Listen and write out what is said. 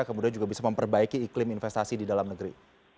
kemudian juga bisa memperbaiki iklim investasi di dalam negeri